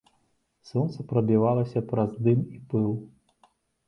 Сонца прабівалася праз дым і пыл.